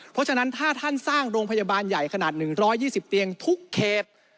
เพราะฉะนั้นถ้าท่านสร้างโรงพยาบาลใหญ่ขนาด๑๒๐เตียงทุกเขต